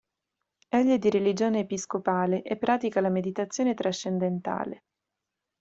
Egli è di religione episcopale e pratica la meditazione trascendentale.